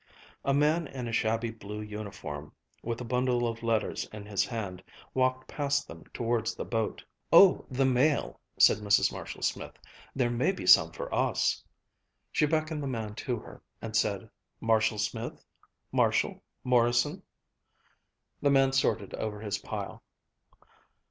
A man in a shabby blue uniform, with a bundle of letters in his hand, walked past them towards the boat. "Oh, the mail," said Mrs. Marshall Smith. "There may be some for us." She beckoned the man to her, and said, "Marshall Smith? Marshall? Morrison?" The man sorted over his pile.